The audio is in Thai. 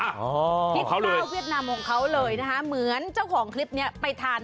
พิซซ่าเวียดนามของเขาเลยนะคะเหมือนเจ้าของคลิปนี้ไปทาน